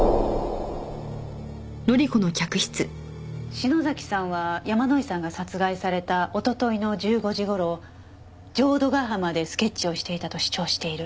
篠崎さんは山井さんが殺害された一昨日の１５時頃浄土ヶ浜でスケッチをしていたと主張している。